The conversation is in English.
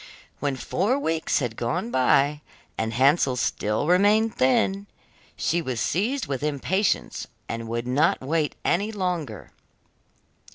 When four weeks had gone by, and Hansel still remained thin, she was seized with impatience and would not wait any longer.